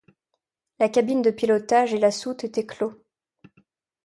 La cabine de pilotage et la soute étaient clos.